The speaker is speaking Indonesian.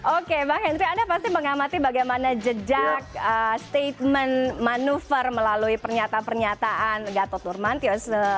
oke bang henry anda pasti mengamati bagaimana jejak statement manuver melalui pernyataan pernyataan gatot nurmantio